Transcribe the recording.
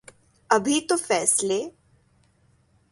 ابھی تو فیصلے